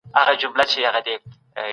آیا په دې دوره کي علم پرمختګ وکړ؟